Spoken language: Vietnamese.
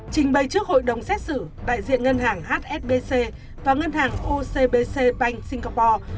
trình bày trước hội đồng xét xử đại diện ngân hàng hsbc và ngân hàng ocbc panh singapore